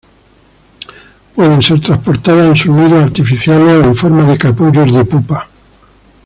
Pueden ser transportadas en sus nidos artificiales o en forma de capullos de pupa.